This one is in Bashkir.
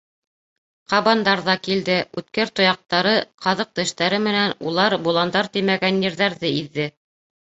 Ҡабандар ҙа килде, үткер тояҡтары, ҡаҙыҡ тештәре менән улар боландар теймәгән ерҙәрҙе иҙҙе.